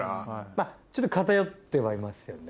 まぁちょっと偏ってはいますよね。